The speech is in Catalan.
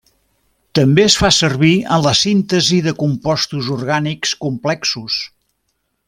També es fa servir en la síntesi de compostos orgànics complexos.